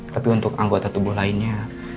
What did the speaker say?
tapi untuk anggota tubuh lainnya